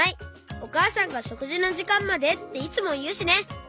おかあさんが「しょくじのじかんまで」っていつもいうしね。